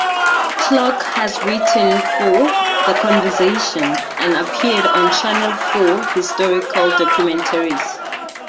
Clarke has written for "The Conversation" and appeared on Channel Four historical documentaries.